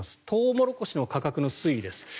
トウモロコシの価格の推移です。